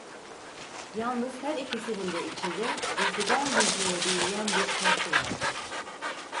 Yalnız her ikisinin de içinde gizliden gizliye büyüyen bir korku vardı: